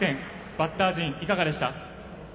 バッター陣、いかがでした？